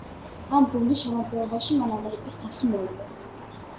ამ გუნდის შემადგენლობაში მან ამერიკის თასი მოიგო.